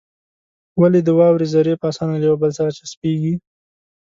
ولې د واورې ذرې په اسانه له يو بل سره چسپېږي؟